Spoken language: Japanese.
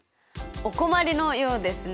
お困りのようですね。